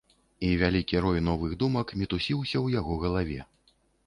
І вялікі рой новых думак мітусіўся ў яго галаве.